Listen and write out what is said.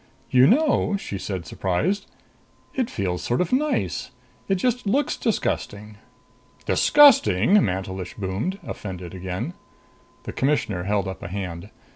"You know," she said surprised, "it feels sort of nice! It just looks disgusting." "Disgusting!" Mantelish boomed, offended again. The Commissioner held up a hand.